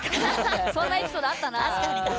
そんなエピソードあったな。